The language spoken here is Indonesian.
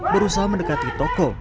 berusaha mendekati toko